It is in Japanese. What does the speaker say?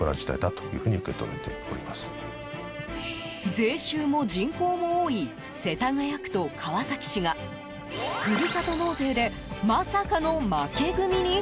税収も人口も多い世田谷区と川崎市がふるさと納税でまさかの負け組に？